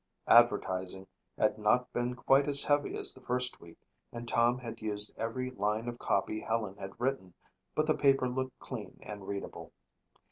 Advertising had not been quite as heavy as the first week and Tom had used every line of copy Helen had written, but the paper looked clean and readable.